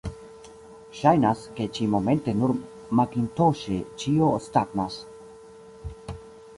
Ŝajnas, ke ĉi-momente nur makintoŝe ĉio stagnas.